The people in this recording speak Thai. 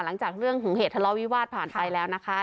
หลังจากเรื่องของเหตุทะเลาะวิวาสผ่านไปแล้วนะคะ